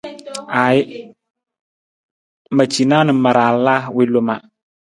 Aaji, ma cina na ma raala wi loma.